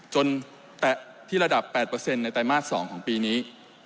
แตะที่ระดับ๘ในไตรมาส๒ของปีนี้